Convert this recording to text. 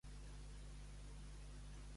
Ser un bacorer.